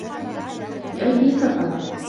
بِأَيدي سَفَرَةٍ